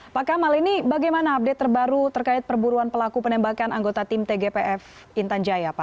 pak kamal ini bagaimana update terbaru terkait perburuan pelaku penembakan anggota tim tgpf intan jaya